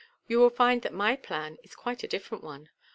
You will find that my plan is quite a different one.